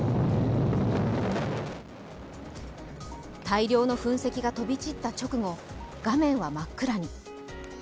大量の噴石が飛び散った直後、画面は真っ暗に。